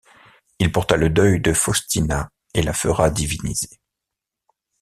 Il porta le deuil de Faustina et la fera diviniser.